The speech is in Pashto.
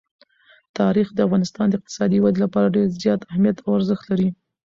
تاریخ د افغانستان د اقتصادي ودې لپاره ډېر زیات اهمیت او ارزښت لري.